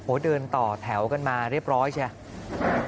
โอ้เดินต่อแถวกันมาเรียบร้อยใช่ไหม